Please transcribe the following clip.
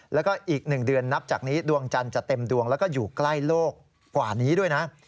แล้วก็อีก๑เดือนนับจากนี้ดวงจันทร์จะเต็มดวงแล้วก็อยู่ใกล้โลกกว่านี้ด้วยนะ